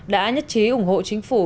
đã nhất trí ủng hộ chính phủ